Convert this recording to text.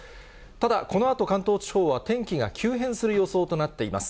ただ、このあと関東地方は天気が急変する予想となっています。